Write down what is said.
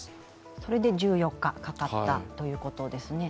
それで１４日かかったということですね。